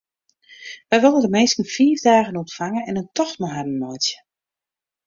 Wy wolle de minsken fiif dagen ûntfange en in tocht mei harren meitsje.